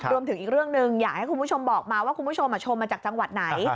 รวมถึงอีกเรื่องหนึ่งอยากให้คุณผู้ชมบอกมาว่าคุณผู้ชมชมมาจากจังหวัดไหน